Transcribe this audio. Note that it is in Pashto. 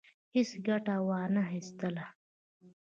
هیڅ ګټه وانه خیستله.